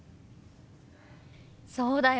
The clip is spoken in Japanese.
そうだよね。